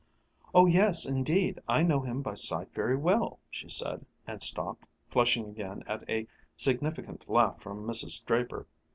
"Oh yes, indeed; I know him by sight very well," she said and stopped, flushing again at a significant laugh from Mrs. Draper.